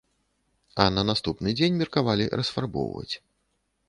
А на наступны дзень меркавалі расфарбоўваць.